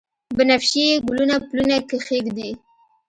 بنفشیې ګلونه پلونه کښیږدي